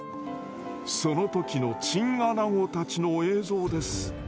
その時のチンアナゴたちの映像です。